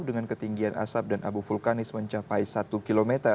dengan ketinggian asap dan abu vulkanis mencapai satu km